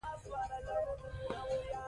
لغمان ولایت له هغو ولایتونو څخه دی چې: